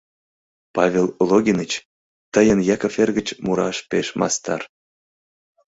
— Павел Логиныч, тыйын Яков эргыч мураш пеш мастар.